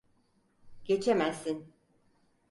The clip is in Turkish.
Geçemezsin!